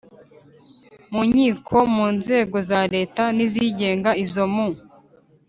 mu nkiko mu nzego za Leta n izigenga izo mu